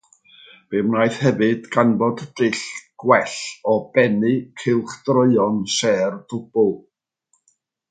Fe wnaeth hefyd ganfod dull gwell o bennu cylchdroeon sêr dwbl.